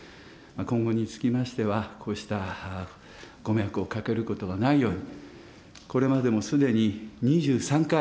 今後につきましては、こうしたご迷惑をかけることがないように、これまでもすでに２３回、